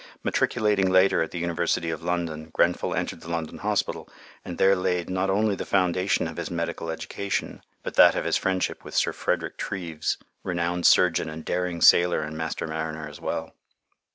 Matriculating later at the University of London, Grenfell entered the London Hospital, and there laid not only the foundation of his medical education, but that of his friendship with Sir Frederick Treves, renowned surgeon and daring sailor and master mariner as well.